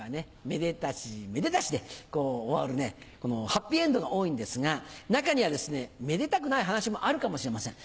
めでたしめでたし！で終わるハッピーエンドが多いんですが中にはめでたくない話もあるかもしれません。